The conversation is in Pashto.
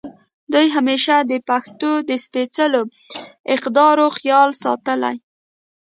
دوي همېشه د پښتو د سپېځلو اقدارو خيال ساتلے